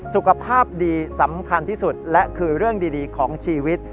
สุขภาพดีสำคัญที่สุดและคือเรื่องดีของชีวิต